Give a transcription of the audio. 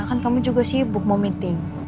kan kami juga sibuk mau meeting